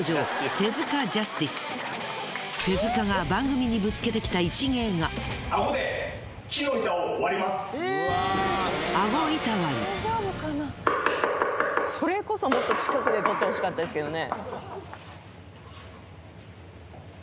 手塚がそれこそもっと近くで撮ってほしかったですけどね。